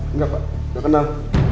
enggak pak gak kenal